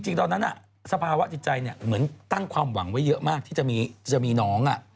ตอนนั้นสภาวะจิตใจเหมือนตั้งความหวังไว้เยอะมากที่จะมีน้อง